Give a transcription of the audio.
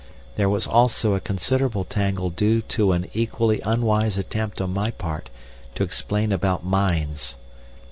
There was also a considerable tangle due to an equally unwise attempt on my part to explain about mines.